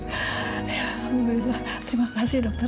alhamdulillah terima kasih dokter